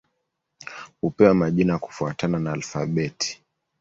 Hupewa majina kufuatana na alfabeti.